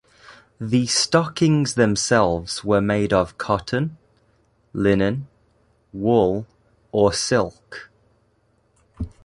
The stockings themselves were made of cotton, linen, wool or silk.